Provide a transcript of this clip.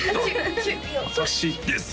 私です！」